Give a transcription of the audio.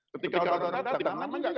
ketika orang orang datang